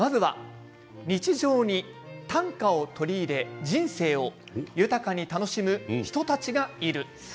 日常に短歌を取り入れ人生を豊かに楽しむ人たちがいる。